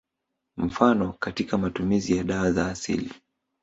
Mfano katika matumizi ya dawa za asili